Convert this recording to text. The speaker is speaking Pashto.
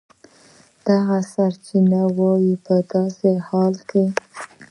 دغه سرچینه وایي په داسې حال کې